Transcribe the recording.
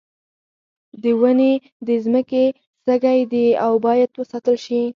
ونې د ځمکې سږی دي او باید وساتل شي.